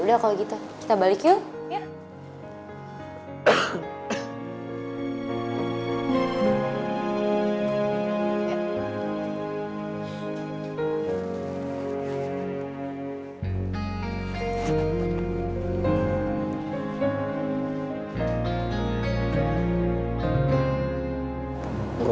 udah kalo gitu kita balik yuk